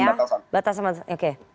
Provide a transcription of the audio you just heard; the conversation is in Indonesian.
ada penjelasannya ya batasan batasan oke